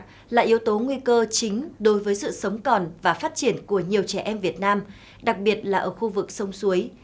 đó là yếu tố nguy cơ chính đối với sự sống còn và phát triển của nhiều trẻ em việt nam đặc biệt là ở khu vực sông suối